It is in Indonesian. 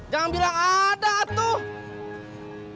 jangan bilang ada tuh